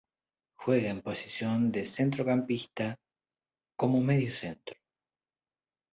Juega en posición de centrocampista como mediocentro.